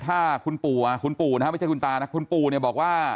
ถ้าคุณปู่คุณปู่นะฮะไม่ใช่คุณตานะคุณปู่เนี่ยบอกว่า